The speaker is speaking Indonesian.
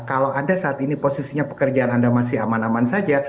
kalau anda saat ini posisinya pekerjaan anda masih aman aman saja